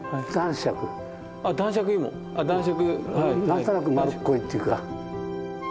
何となく丸っこいっていうか。